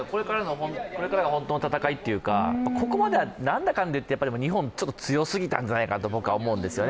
これからが本当の戦いというか、ここまでは何だかんだいって日本、ちょっと強すぎたんじゃないかと思うんですね。